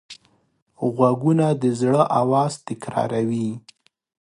غوږونه د زړه آواز تکراروي